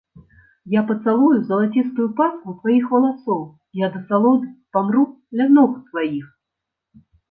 Я пацалую залацістую пасму тваіх валасоў і ад асалоды памру ля ног тваіх.